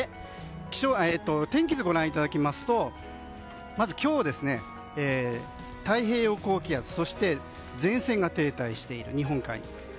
天気図をご覧いただきますとまず今日、太平洋高気圧前線が停滞している日本海に。